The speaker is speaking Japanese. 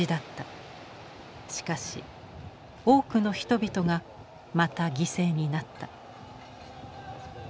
しかし多くの人々がまた犠牲になった。